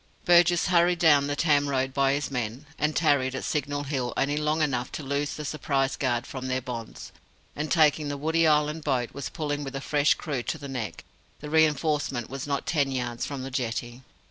Burgess, hurried down the tramroad by his men, had tarried at Signal Hill only long enough to loose the surprised guard from their bonds, and taking the Woody Island boat was pulling with a fresh crew to the Neck. The reinforcement was not ten yards from the jetty.